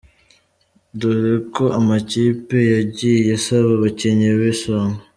Dore uko amakipe yagiye asaba abakinnyi b’Isonga:.